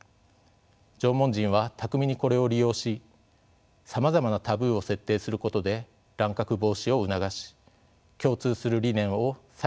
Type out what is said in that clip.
縄文人は巧みにこれを利用しさまざまなタブーを設定することで乱獲防止を促し共通する理念を祭祀・儀礼の場で確認し合ったのでしょう。